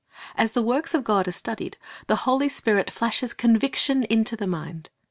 As the works of God are studied, the Holy Spirit flashes conviction into the mind.